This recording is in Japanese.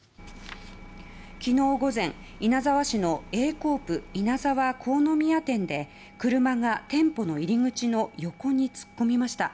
昨日午前、稲沢市のエーコープ稲沢国府宮店で車が店舗の入り口の横に突っ込みました。